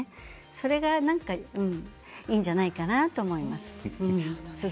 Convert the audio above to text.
それが何かいいんじゃないかなと思います。